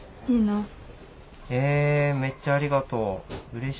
いいの。えめっちゃありがとう。